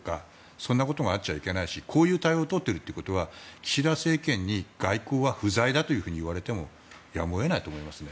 そんなことがあっちゃいけないしこういう対応を取ってるってことは岸田政権に外交は不在だと言われてもやむを得ないと思いますね。